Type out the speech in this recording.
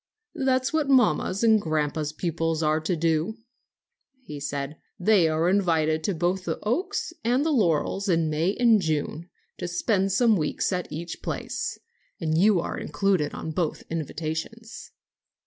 "That is what mamma's and grandpa's pupils are to do," he said. "They are invited to both the Oaks and the Laurels in May and June, to spend some weeks at each place. And you are included in both invitations."